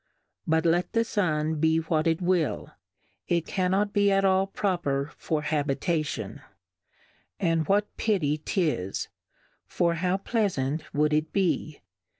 But let the Sun be what it will, it cannot be at all proper for Habitation ; and what pity 'tis, for how Pleafant wou'd it be